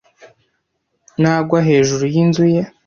nagwa hejuru yinzu ye